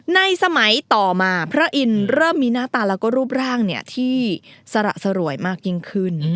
ในสมัยต่อมาพระอินทร์เริ่มมีหน้าตาแล้วก็รูปร่างที่สระสรวยมากยิ่งขึ้น